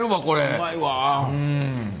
うまいわ。